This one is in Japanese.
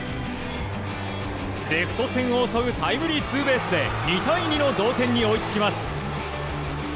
レフト線を襲うタイムリーツーベースで２対２の同点に追いつきます。